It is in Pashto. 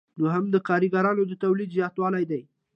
دوهم د کاریګرانو د تولید زیاتول دي.